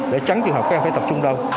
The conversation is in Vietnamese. để tránh trường hợp các em phải tập trung đâu